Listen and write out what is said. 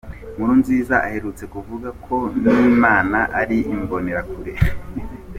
Nkurunziza aherutse kuvuga ko n’Imana ari Imbonerakure.